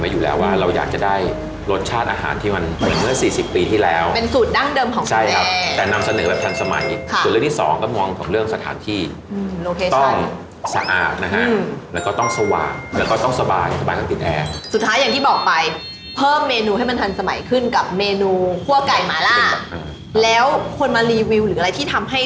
เป็นผู้ตอบภัณฑ์หรือเป็นผู้ตอบภัณฑ์หรือเป็นผู้ตอบภัณฑ์หรือเป็นผู้ตอบภัณฑ์หรือเป็นผู้ตอบภัณฑ์หรือเป็นผู้ตอบภัณฑ์หรือเป็นผู้ตอบภัณฑ์หรือเป็นผู้ตอบภัณฑ์หรือเป็นผู้ตอบภัณฑ์หรือเป็นผู้ตอบภัณฑ์หรือเป็นผู้ตอบภัณฑ์หรือเป็นผู้ตอบภัณ